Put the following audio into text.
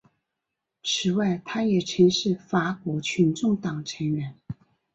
此外他也曾是法国群众党成员。